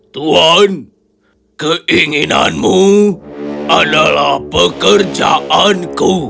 tuan keinginanmu adalah pekerjaanku